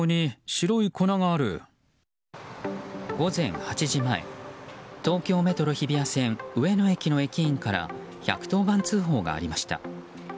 午前８時前東京メトロ日比谷線上野駅の駅員から１１０番通報がありました。